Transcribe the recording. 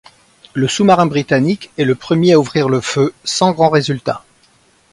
Le sous-marin britannique est le premier à ouvrir le feu, sans grand résultat.